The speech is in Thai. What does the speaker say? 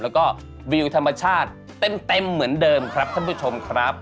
แล้วก็วิวธรรมชาติเต็มเหมือนเดิมครับท่านผู้ชมครับ